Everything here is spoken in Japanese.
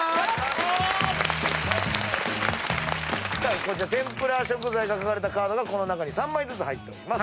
こちら天ぷら食材が書かれたカードがこの中に３枚ずつ入っております。